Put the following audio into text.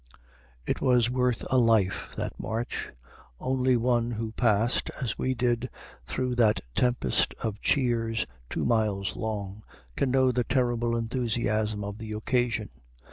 It was worth a life, that march. Only one who passed, as we did, through that tempest of cheers, two miles long, can know the terrible enthusiasm of the occasion.